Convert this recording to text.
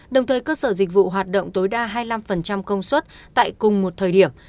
đồng thời cơ sở dịch vụ hoạt động tối đa hai mươi năm công suất tại cùng một thời điểm